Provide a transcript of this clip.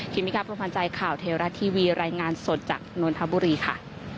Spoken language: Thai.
มิกาพรมพันธ์ใจข่าวเทวรัฐทีวีรายงานสดจากนนทบุรีค่ะ